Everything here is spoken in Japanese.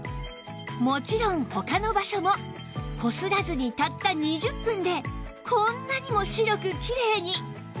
もちろん他の場所もこすらずにたった２０分でこんなにも白くキレイに！